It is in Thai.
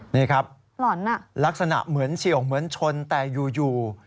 นี่ครับลักษณะเหมือนเฉียวเหมือนชนแต่อยู่